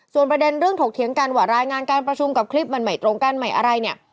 ส่วนประเด็นเรื่องถกเถียงกันว่ารายงานการประชุมกับคลิปมันไม่ตรงกันใหม่อะไรเนี่ย